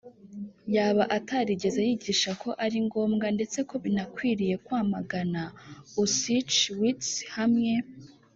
yaba atarigeze yigisha ko ari ngombwa ndetse ko binakwiriye kwamagana Auschwitz hamwe